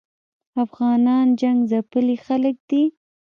افغانان جنګ ځپلي خلګ دي